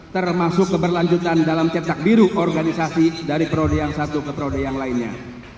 termasuk keberlanjutan dalam cetak biru organisasi dari prode yang satu ke perode yang lainnya